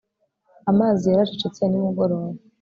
Amazi yaracecetse nimugoroba